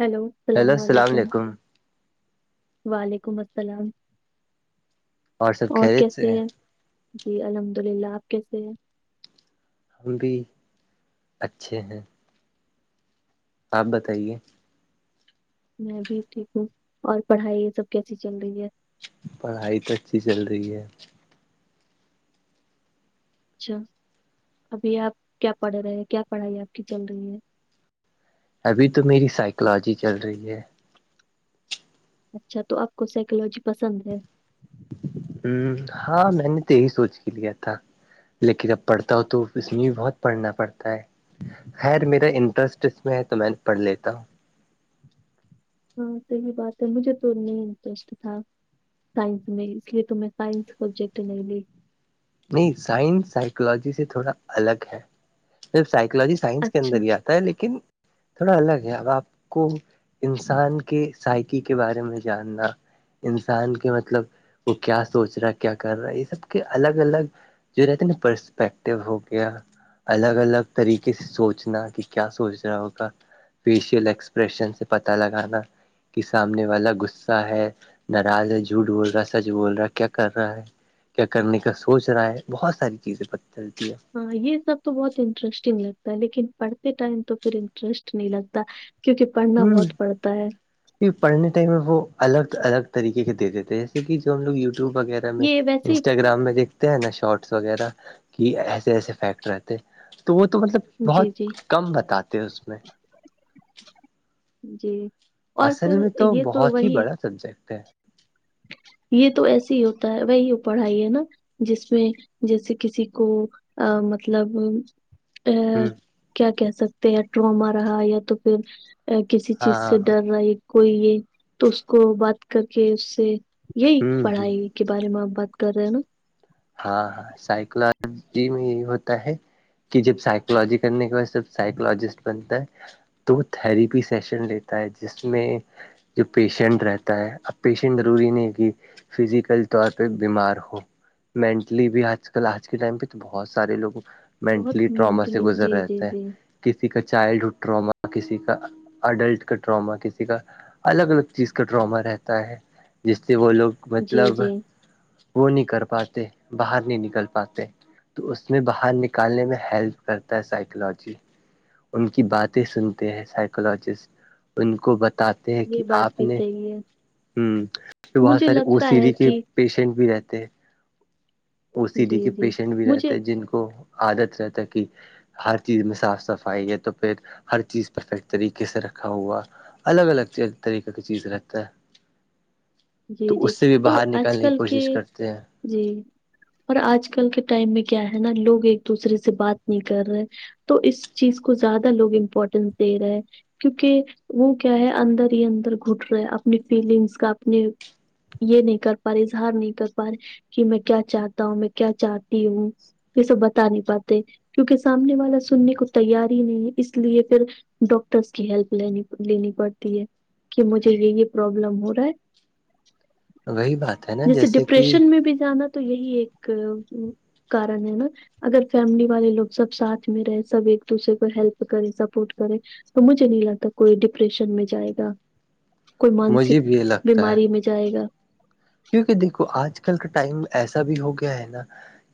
Hello السلام علیکم وعلیکم السلام سب اور خیریت سے کیسے ہیں جی الحمد للہ آپ کیسے ہیں ہم بھی اچھے ہیں آپ بتائیے میں بھی ٹھیک ہوں اور پڑھائی یہ سب کیسی چل رہی ہے پڑھائی تو اچھی چل رہی ہے اچھا ابھی آپ کیا پڑھ رہے ہیں کیا پڑھائی آپ کی چل رہی ہے ابھی تو میری سائیکولوجی چل رہی ہے اچھا تو آپ کو سائیکولوجی پسند ہے ہ ہاں میں نے تو یہی سوچ کے لیا تھا لیکن اب پڑھتا ہو تو اس میں بھی بہت پڑھنا پڑتا ہے خیر میرا انٹرسٹ اس میں ہے تو میں پڑھ لیتا ہوں ہاں صحیح بات ہے مجھے تو نہیں انٹرسٹ تھا سائنس میں اس لیے تو میں سائنس سبجیکٹ نہیں لی نہیں سائنس سائیکولوجی سے تھوڑا الگ ہے صف سائیکولوجی سائنس کے اچھا اندر ہییا لیکن تھوڑا الگ ہے ا آپ کو انسان کے سائیکی کے بارے میں جاننا انسان کے مطلب وہ کیا سوچ رہا ہے کیا کر رہا ہے یہ سب کے الگ الگ الگ جو رہتے نا پرسپیکٹو ہو گیا الگ الگ طریقے سے سوچنا کہ کیا سوچ رہا ہوگا فیشیل ایکسپریشن سے پتا لگانا کہ سامنے والا غصہ ہے ناراض ہے جھوٹ بول رہا ہے سچ بول رہا کیا کر رہا ہے کیا کرنے کا سوچ رہا ہے بہت ساری چیزیں پ چلتی ہے ہاں یہ سب تو بہت انٹرسٹنگ لگتا ہے لیکن پڑھتے ٹائم تو پھر انٹرسٹ نہیں لگتا کیونکہ پڑھنا بہت پڑتا ہے پ پڑھنے ٹائم میں وہ الگ الگ طریقے کے دے دیتے ہیں جیسے کہ جو ہم لوگ یوٹیوب وغیرہ یہ ویسے ہی انسٹاگررام میں دیک ہیں نا شارٹس وغیرہ کہ ایسے ایسے فیکٹ رہتے تو وہ تو مطلب جی جی بہت کم بتاتے اس میں جی اور اصل پھر میں یہ تو بہت ہی وہی بڑا سبجیکٹ ہے یہ تو ایسے ہی ہوتا ہے وہی پڑھائی ہے نا جس میں جیسے کسی کو مطلب ا ہوں کیا کہہ سکتے ہیں یا ٹروما رہا یا تو پھر کسی چیز ہاں سے ڈر رہا کوئی یہ تو اس کو بات کر کے اس سے یہی ہوں ہ پڑھائی کے بارے میں آپ بات کر رہے ہیں نا ہاں ہاں سائیکولوجی میں یہ ہوتا ہے کہ جب سائیکولوجی کرنے کے بع سب سائیکولوجسٹ بنتا ہے تو تھھیریپی سیشن لیتا ہے جس میں جو پیشنٹ رہتا ہے اب پیشنٹ ضروری نہیں ہے کہ فزیکل طور پہ بیمار ہو مینٹلی بھی آج کل آج کے ٹائم پہ تو بہت سارے لوگوں بہت مینٹلی ٹراما سے مینٹلی گزر جی جی رہتا ہے جی کسی کا چائلڈ ہوڈ ٹراما کسی کا اڈلٹ کا ٹراما کسی کا الگ الگ چیز کا ڈراما رہتا ہے جس سے وہ لوگ جی مطلب جی وہ نہیں کر پاتے باہر نہیں نکل پاتے تو اس میں باہر نکالنے میں ہیلپ کرتا ہے سائیکولوجی ان کی باتیں سنتے ہیں سائیکولوجسٹ ان کو بتات ہیں کہ یہ بات آپ بھی نے صحیح ہے ہ بہت مجھے سارے ا لگتا سیری ہے کے کہ پیشنٹ بھی رہتے ہیں ا سی ڈی جی کے جی پیشنٹ بھی رہتے مجھے ہے جن کو عادت رہتا ہے کہ ہر چیز میں صاف صفائی ہے تو پھر ہر چیز پرفیکٹ طریقے سے رکھا ہوا الگ الگ طریقے کی چیز رکھتا ہے جی تو جی اس سے بھی تو باہر آج نکلنے کی کل کے کوشش کرتے ہیں جی اور آج کل کے ٹائم میں کیا ہے نا لوگ ایک دوسرے سے بات نہیں کر رہے تو اس چیز کو زیادہ لوگ امپورٹینس دے رہے ہیں کیونکہ وہ کیا ہے اندر ہی اندر گھٹ رہے اپنی فیلنگس کا اپنے یہ نہیں کر پا رہے اظہار نہیں کر پا رہے کہ میں کیا چاہتا ہوں میں کیا چاہتی ہوں یہ سب بتا نہیں پاتے کیونکہ سامنے والا سننے کو تیار ہی نہیں اس لیے پھر ڈاکٹرس کی ہیلپ لینی لینی پڑتی ہے کہ مجھے یہ یہ پرابلم ہو رہا ہے وہی بات ہے نا جیسے کہ ڈپریشن میں بھی جانا تو یہی ایک کارن ہے نا اگر فیملی والے لوگ سب ساتھ میں رہے سب ایک دوسرے کو ہیلپ کرے سپورٹ کرے تو مجھے نہیں لگتا کوئی ڈپریشن میں جائے گا کوئی مانسک مجھے بھی یہ لگتا ہے بیماری میں جائے گا کیونکہ دیکھو آج کل کا ٹائم ایسا بھی ہو گیا ہے نا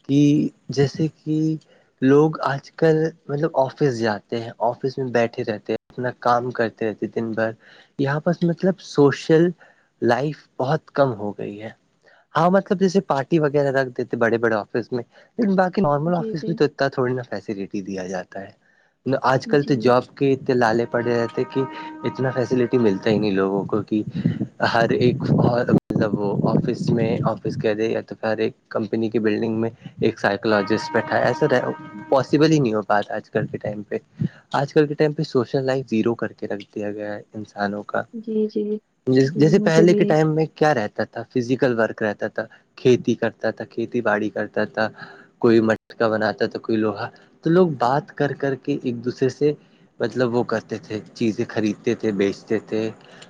کہ جیسے کہ لوگ آج کل مطلب آفس جاتے ہیں آفس میں بیٹھے رہتے ہیں اپنا کام کرتے رہتے دن بھر یہاں پرس مطلب سوشل لائف بہت کم ہوگی گئی ہے ہاں مطلب جیسے پارٹی وغیرہ رکھ دیتے بڑے بڑے آفس میں لن باقی نارمل جی آفس بھی جی تو ات تھوڑی نا فیسلٹی دیا جاتا ہے آج کل تو جی جاب کہ اتنے لالے پڑے رہ تھ کہ اتنا فیسلٹی ملتا ہی نہیں لوگوں کو کہ ہر ایک وہ آفس میں آفس کہ دے یا تو پر ایک کمپنی کی بلڈنگ میں ایک سائکولوجسٹ بیٹھا ہے ایسا رہ پاسبل ہی نہیں ہو پا آج کل کے ٹائم پہ آج کل کے ٹائم پہ سوشل لائف زیرو کر کے رکھ دیا گیا ہے انسانوں کو جی جی جی جیسے مجھے پہلے کے ٹائم میں کیا رہتا تھا تھا فزیکل ورک رہتا تھا کھیتی کرتا تھا کھیتی باڑی کرتا تھا کوئی مٹکا بناتا ہے تو کوئی لوہا تو لوگ بات کر کر کے ایک دوسرے سے مطلب وہ کرتے تھے چیزیں خریدتے تھے بیچتے تھے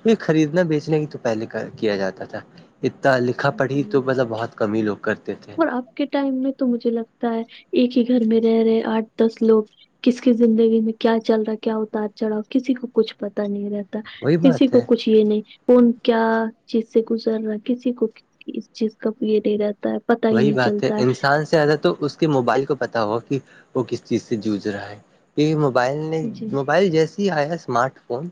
یہ خریدنا بیچنے کی تو پہلے کا کیا جاتا تھا اتنا لکھا پڑھی بھی تو مطلب بہت کم ہی لوگ کرتے تھے اور اب کے ٹائم میں تو مجھے لگتا ہے ایک ہی گھر میں رہ رہے آٹھ دس لوگ کس کی زندگی میں کیا چل رہا ہے کیا اتار چڑھاؤ کسی کو کچھ پتا نہیں رہتا وہی کسی بات کو ہے کچھ یہ نہیں کون کیا چیز سے گزر رہا ہے کسی کو اس چیز کا یہ دے رہتا ہے پتا ہی وہی نہیں بات ہے چلتا انسان سے زیادہ تو اس کے موبائل کو پتا ہوگا کہ وہ کس چیز سے جوجھ رہا ہے کہ موبائل نے ہے جی موبائل جیسے ہی آیا اسمارٹ فون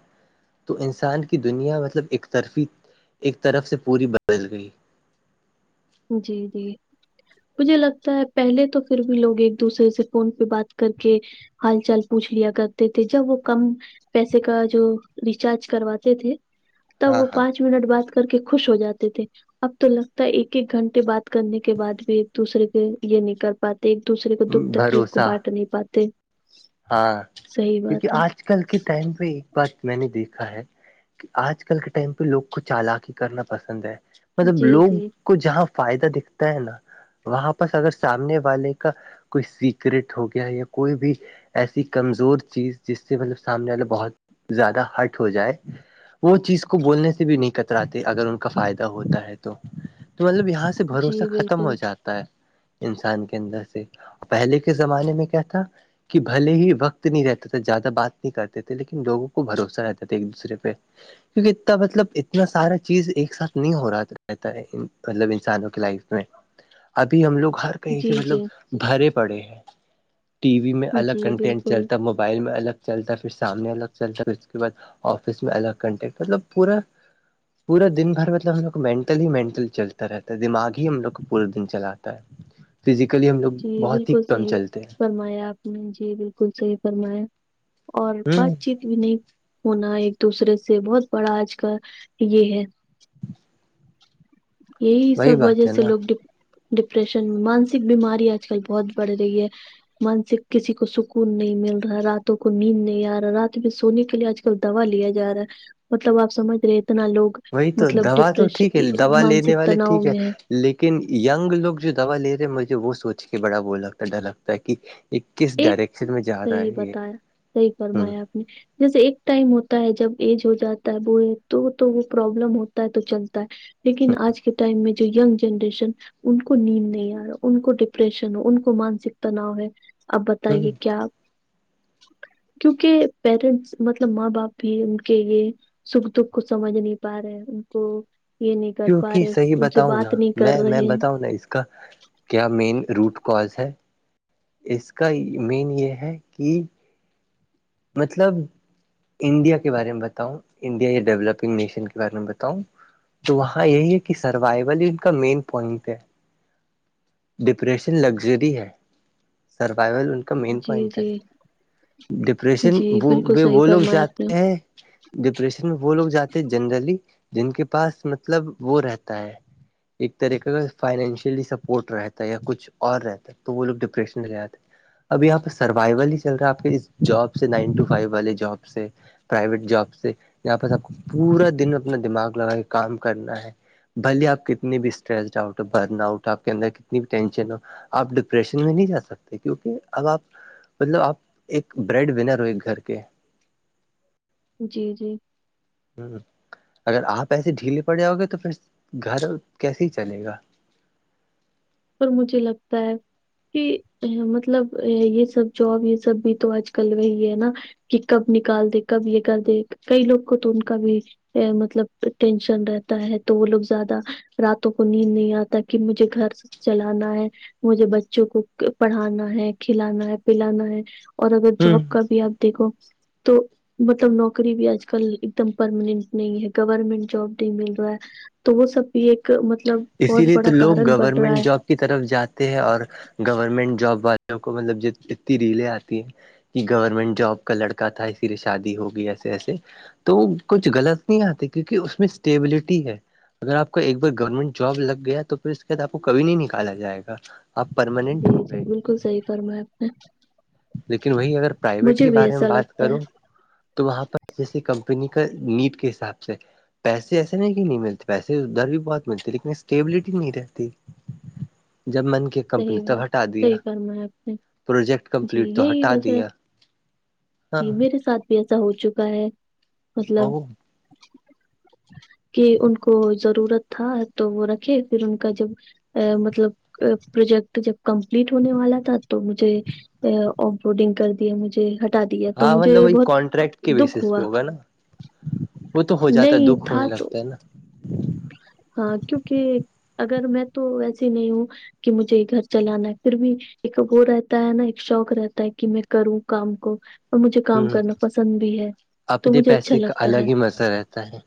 تو انسان کی دنیا مطلب ایک طرفی ایک طرف سے پوری بدل گئی جی جی مجھے لگتا ہے پہلے تو پھر بھی لوگ ایک دوسرے سے فون پہ بات کر کے ہال چال پوچھ لیا کرتے تھے جب وہ کم پیسے کا جو ریچارج کرواتے تھے تب ہاں وہ ہاں پانچ منٹ بات کر کے خوش ہو جاتے تھے اب تو لگتا ہے ایک ایک گھنٹے بات کرنے کے بعد بھی ایک دوسرے کے یہ نہیں کر پات ایک دوسرے کو دکھ تکلیف کو بھروسہ بانٹ نہیں پاتے ہاں صحیح کیونکہ بات ہے آج کل کے ٹائم پہ ایک بات میں نے دیکھا ہے آج کل کے ٹائم پہ لوگ کو چالاکی کرنا پسند ہے مطلب جی لوگ جی کو جہاں فائدہ دکھتا ہے نا وہاں پرس اگر سامنے والے کا کوئی سیکریٹ ہو گیا یا کوئی بھی ایسی کمزور چیز جس سے مطلب سامنے والا بہت زیادہ ہرٹ ہو جائے وہ چیز کو بولنے سے بھی نہیں کتراتے اگر ان کا فائدہ ہوتا ہے تو تو مطلب یہاں سے سے جی بھروسہ ختم بالکل ہو جاتا ہے انسان کے اندر سے پہلے کے زمانے میں کیا تھا کہ بھلے ہی وقت نہیں رہتا تھا زیادہ بات نہیں کرتے تھے لیکن لوگوں کو بھروسہ رہتا تھا ایک دوسرے پہ کیونکہ اتنا مطلب اتنا سارا چیز ایک ساتھ نہیں ہو رہا رہتا ہے مطلب انسانوں کی لائف میں ابھی ہم لوگ ہر کہیں جی سے مطلب جی بھرے پڑے ہیں ٹی وی میں الگ جی کنٹینٹ بالکل چلتا ہے موبائل میں الگ چلتا ہے پھر سامنے الگ چلتا ہے پھر اس کے بعد آفس میں الگ کانٹیکٹ مطلب پورا پورا دن بھر مطلب ہم لوگ کو مینٹل ہی مینٹل چلتا رہتا ہے دماغ ہی ہم لوگ کو پورا دن چلاتا ہے فزیکلی ہم لوگ جی بہت ہی بالکل کم صحیح چلتے ہیں فرمایا آپ نے جی بالکل صحیح فرمایا اور ہیں ہ بات چیت بھی نہیں ہونا ایک دوسرے سے بہت بڑا آج کل یہ ہے یہی وہی سب بات وجہ ہے سے نا لوگ ڈپریشن مانسک بیماری آج کل بہت بڑھ رہی ہے مانسک کسی کو سکون نہیں مل رہا راتوں کو نیند نہیں آ رہا رات میں سونے کے لیے آجل دوا لیا جا رہا ہے مطلب آپ سمجھ رہے اتنا لوگ وہی تو مطلب دوا تو ڈپریش ٹھیک ہے دوا لینے مانسک والے تناؤ ٹھیک ہے میں لیکن یگ لوگ جو دوا لے رہے ہیں مجھے وہ سوچ کے بڑا وہ لگتا ہے ڈر لگتا ہے کہ یہ کس ایک ڈائریکشن میں جا رہا صحیح ہے یہ بتایا صحیح ہ فرمایا آپ نے جیسے ایک ٹائم ہوتا ہے جب ایج ہو جاتا ہے بو تو تو وہ پرابلم ہوتا ہے تو چلتا ہے لیکن آج کے ٹائم میں جو جنریشن ان کو نیند نہیں آ رہا ان کو ڈپریشن ہو ان کو مانسک تناؤ ہے اب ہ بتائیے کیا [inaudible] کیونکہ پیرنٹس مطلب ماں باپ بھی ان کے یہ سکھ دکھ کو سمجھ نہیں پا رہے ان کو یہ نہیں کر پا کیوںکہ رہے صحیح ان سے بتاؤں نا بات نہیں کر میں رہے میں ہیں۔ بتاؤں نا اس کا کیا مین روٹ کاز ہے اس کا میں یہ ہے کہ مطلب انڈیا کے بارے میں بتاؤں انڈیا یا ڈیولپنگ نیشن کے بارے میں بتاؤں تو وہاں یہی ہے کہ سروائول ان کا مین پوائنٹ ہے ڈپریشن لگژری ہے سروائول ان مین جی پوائنٹ ہے جی ڈپریشن جی بالکل صحیح وہ لوگ فرمایا آپ نے جاتے ہیں ڈپریشن میں وہ لوگ جاتے ہیں جنرلی جن کے پاس مطلب وہ رہتا ہے ایک طرح ایک فائنشلی سپورٹ رہتا ہے یا کچھ اور رہتا ہے تو وہ لوگ ڈپریشن میں جاتے ہیں اب یہاں پہ سروائول ہی چل رہا ہے آپ کے اس جاب سے نائن ٹو فو والے جاب سے پرائیویٹ جاب سے یہاں پر سب کو پورا دن اپنا دماغ لگا کے کام کرنا ہے بھلیے آپ کتنی بھی اسٹریسڈ آؤٹ برن آؤٹ آپ کے اندر تنی بھی ٹینشن ہو آپ ڈپریشن میں نہیں جا سکتے کیونکہ اب آپ مطلب آپ ایک بریڈ ونر ہو ایک گھر کے جی جی ہوں اگر آپ ایسے ڈھیلے پڑ جاؤ گے تو پھر گھر کیسے ہی چلے گا پر مجھے لگتا ہے کہ مطلب یہ سب جاب یہ سب بھی تو آج کل وہی ہے نا کہ کب نکال دے کب یہ کر دے کئی لوگ کو تو ان کا بھی مطلب ٹینشن رہتا ہے تو وہ لوگ زیادہ راتوں کو نیند نہیں آتا کہ مجھے گھر چلانا ہے مجھے بچوں کو پڑھانا ہے کھلانا ہے پلانا ہے اور اگر ہ جاب کا بھی آپ دیکھو تو مطلب نوکری بھی اج کل ایک دم پرماننٹ نہیں ہے گورمنٹ جاب بھی مل رہا ہے تو وہ سب بھی ایک مطلب اسی بہت لیے تو بڑا لوگ کارن بن رہا گورنمنٹ ہے جاب کی طرف جاتے ہیں اور گورنمنٹ جاب والوں کو مطلب جتنی ریلیں آتی ہیں کہ گورنمنٹ جاب کا لڑکا تھا اسی لیے شادی ہوگی ایسے ایسے تو کچھ غلط نہیں آتے کیونکہ اس میں اسٹیبلٹی ہے اگر آپ کا ایک بار گورنمنٹ جاب لگ گیا تو پھر اس کے بعد آپ کو کبھی نہیں نکالا جائے گا آپ پر [unintelligible] جی جی بالکل صحیح فرما آپ نے لیکن وہی اگر پرائیویٹ مجھے کے بھی بارے میں ایسا بات لگتا ہے کرو تو وہاں پر جیسے کمپنی [unintelligible] کا نیب کے حساب سے پیسے ایسے نہیں کہ نہیں ملتے پیسے ادھر بھی بہت ملتی لیکن اسٹیبلٹی نہیں رہتی جب من کے صحیح بات صحی فرما آپ نے پروجیکٹ جی کمپلیٹ تو یہی ہٹا وجہ دیا ہاں جی مے ساتھ بھی ایسا ہو چکا ہے مطلب [inaudible] کہ ان کو ضرورت تھا تو وہ رکھے پھر ان کا جب ا مطلب ا پروجیکٹ جب کمپلیٹ ہونے والا تھا تو مجھے آف بورڈنگ کر دیا مجھے ہٹا دیا تو ہاں مجھے مطلب وہی بہت کانٹریکٹ کے دکھ بیسس پہ ہوا ہوگا نا وہ تو ہو جاتا ہے نہیں دکھ ہونے تھا تو لگتا ہے نا ہاں کیونکہ اگر میں تو ویسیے نہیں ہوں کہ مجھے گھر چلانا ہے پھر بھی ایک وہ رہتا ہے نا ایک شوق رہتا ہے کہ میں کروں کام کو اور مجھے کام ہ کرنا پسند بھی ہے تو اپنے مجھے اچھا پیسے کا لگتا ہے الگ ہی مزہ رہتا ہے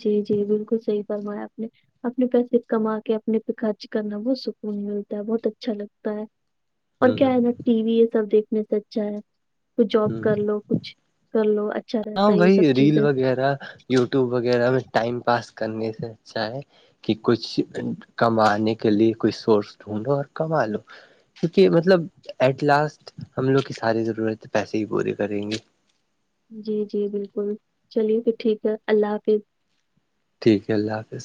جی جی بالکل صحی فرمایا آپ نے اپنے پیسے کما کے اپنے پہ خرچ کرنا بہت سکون ملتا ہے بہت اچھا لگتا ہے ہ اور کیا ہے نا ٹی وی یہ سب دیکھنے سے اچھا ہے کھ جاب ہ کر لو کچھ کر لو اچھا ہاں رہتا ہے یہ سب بھائی ریل چیزیں وغیرہ یوٹیوب وغیرہ میں ٹائم پاس کرنے سے اچھا ہے کہ کچھ کمانے کے لیے کچھ سورس [unintelligible] ڈھونڈو اور کما لو کیونکہ مطلب ایٹ لاسٹ ہم لوگ کی ساری ضرورت پیسے ہی پورے کریں گے جی جی بالکل چلیے پھر ٹھیک ہے اللہ حافظ ٹھیک ہے اللہ حافظ